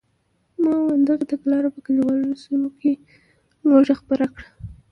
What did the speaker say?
ماوو دغې تګلارې په کلیوالي سیمو کې لوږه خپره کړه.